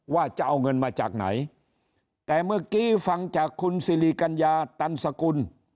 ว่าจะเอาเงินมาจากไหนแต่เมื่อกี้ฟังจากคุณสิริกัญญาตันสกุล